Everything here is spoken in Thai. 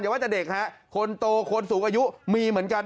ว่าจะเด็กฮะคนโตคนสูงอายุมีเหมือนกัน